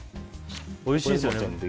おいしいですよね。